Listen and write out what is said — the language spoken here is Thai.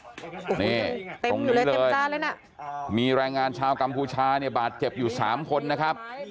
นี่เต็มอยู่เลยเต็มตาเลยน่ะมีแรงงานชาวกัมพูชาเนี่ยบาดเจ็บอยู่สามคนนะครับ